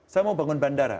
saya mau bangun bandara